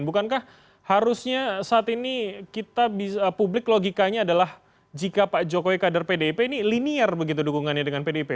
bukankah harusnya saat ini kita publik logikanya adalah jika pak jokowi kader pdip ini linear begitu dukungannya dengan pdip